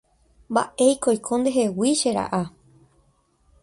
Mba'éiko oiko ndehegui che ra'a.